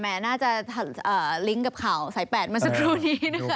แหม่น่าจะลิงกับข่าวสายแปดมาสักครู่นี้นะครับ